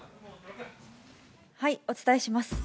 お伝えします。